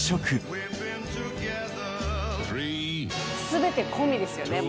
全て込みですよね